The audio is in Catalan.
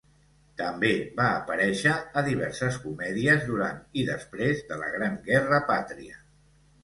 També va aparèixer a diverses comèdies durant i després de la Gran Guerra Pàtria.